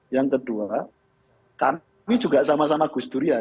yang kedua kami juga sama sama gus durian